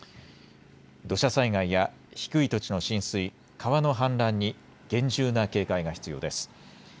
土砂災害や低い土地の浸水、川の氾濫に厳重な警戒が必要です。